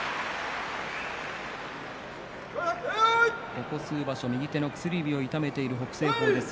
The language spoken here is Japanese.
ここ数場所、右手の薬指を傷めている北青鵬です。